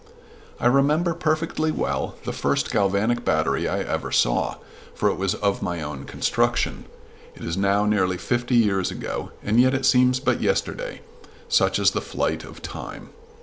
I remember perfectly well the first galvanic battery I ever saw, for it was of my own construction. It is now nearly fifty years ago, and yet it seems but yesterday such is the flight of time.